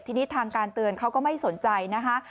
ทีนี้ทางการเตือนเขาก็ไม่สนใจนะคะ